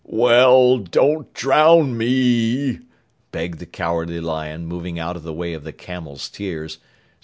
"Well, don't drown me," begged the Cowardly Lion, moving out of the way of the camel's tears.